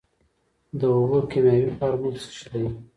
د اوبو کیمیاوي فارمول څه شی دی.